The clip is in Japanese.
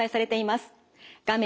画面